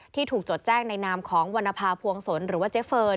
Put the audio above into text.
ที่ถูกจดแจ้งในนามของวรรณภาพวงศลหรือว่าเจ๊เฟิร์น